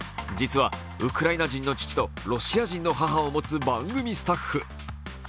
実はウクライナ人の父とロシア人の母を持つ番組スタッフ。